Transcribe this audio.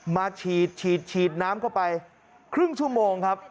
มาฉีดฉีดน้ำเข้าไปครึ่งชั่วโมงครับ